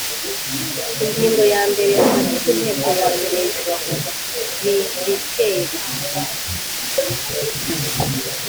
Ingingo ya mbere Abagize Inteko ya Peresibiteri